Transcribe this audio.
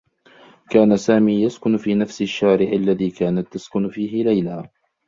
كان سامي يسكن في نفس الشّارع الذي كانت تسكن فيه ليلى.